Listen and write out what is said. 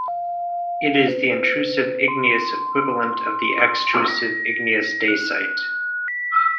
It is the intrusive igneous equivalent of the extrusive igneous dacite.